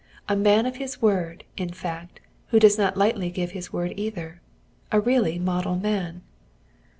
A man of his word, in fact, who does not lightly give his word either. A really model man."